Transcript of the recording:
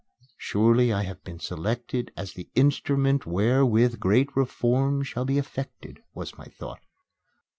"Surely, I have been selected as the instrument wherewith great reforms shall be effected," was my thought.